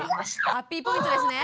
ハッピーポイントですね？